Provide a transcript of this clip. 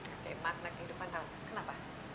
oke makna kehidupan kenapa